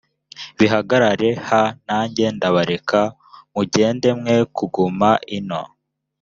bihagarare h nanjye ndabareka mugende mwe kuguma ino